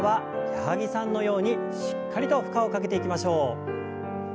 矢作さんのようにしっかりと負荷をかけていきましょう。